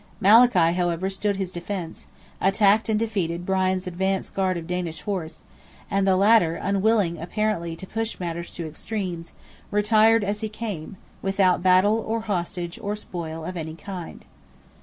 Malachy, however, stood to his defence; attacked and defeated Brian's advance guard of Danish horse, and the latter, unwilling apparently to push matters to extremities, retired as he came, without "battle, or hostage, or spoil of any kind."